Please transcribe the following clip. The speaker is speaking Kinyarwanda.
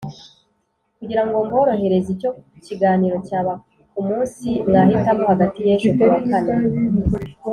Kugira ngo mborohereze, icyo kiganiro cyaba ku munsi mwahitamo hagati y'ejo kuwa kane